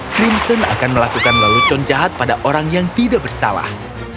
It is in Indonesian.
crimson akan melakukan lelucon jahat pada orang yang tidak bersalah